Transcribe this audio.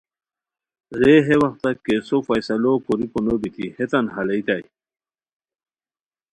رے ہے وختہ کیسو فیصلو کوریکو نوبیتی ہیتان ہالئیتائے